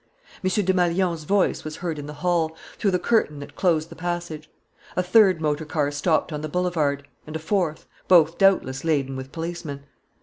M. Desmalions's voice was heard in the hall, through the curtain that closed the passage. A third motor car stopped on the boulevard, and a fourth, both doubtless laden with policemen.